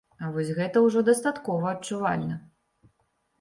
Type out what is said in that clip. А вось гэта ўжо дастаткова адчувальна.